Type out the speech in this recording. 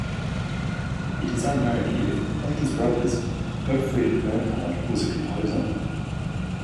It is unknown if, like his brothers, Gottfried Bernhard was a composer.